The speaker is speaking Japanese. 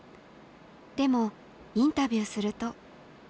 でもインタビューすると。